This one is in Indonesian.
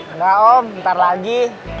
enggak om ntar lagi